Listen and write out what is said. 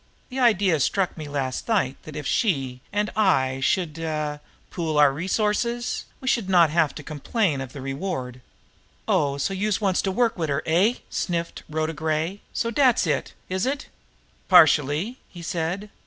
The idea struck me last night that if she and I should er pool our resources, we should not have to complain of the reward." "Oh, so youse wants to work wid her, eh?" sniffed Rhoda Gray. "So dat's it, is it?" "Partially," he said.